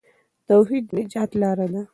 توحید د نجات لار ده.